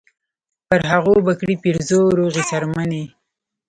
پر هغو به کړي پیرزو روغې څرمنې